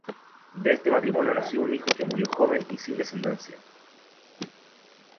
De este matrimonio nació un hijo que murió joven y sin descendencia.